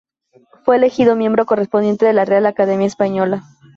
Fue elegido miembro correspondiente de la Real Academia Española.